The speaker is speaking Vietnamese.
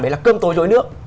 đấy là cơm tối rối nước